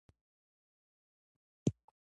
کله چې افغانستان کې ولسواکي وي ناروغان درملنه کیږي.